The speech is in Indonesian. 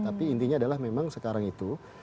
tapi intinya adalah memang sekarang itu